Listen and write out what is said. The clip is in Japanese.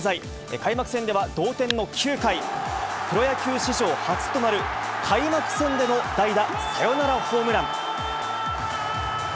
開幕戦では同点の９回、プロ野球史上初となる、開幕戦での代打サヨナラホームラン。